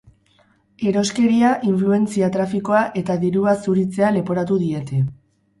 Eroskeria, influentzia-trafikoa eta dirua zuritzea leporatu diete.